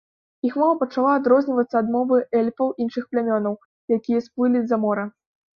Іх мова пачала адрознівацца ад мовы эльфаў іншых плямёнаў, якія сплылі за мора.